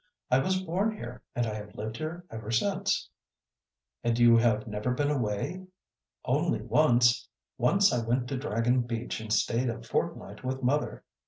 "I was born here, and I have lived here ever since." "And you have never been away?" "Only once. Once I went to Dragon Beach and stayed a fortnight with mother."